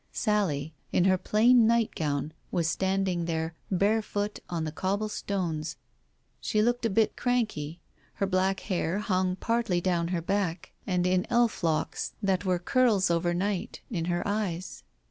Sally, in her plain nightgown, was standing there barefoot on the cobbled stones. She looked a bit cranky. Her black hair hung partly down her back, Digitized by Google THE WITNESS 203 and in elf locks, that were curls overnight, in her eyes.